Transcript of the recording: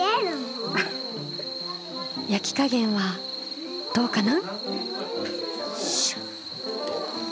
焼き加減はどうかな？